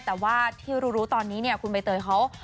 แต่ว่าที่รู้ตอนนี้เนี่ยคุณใบเตยเขา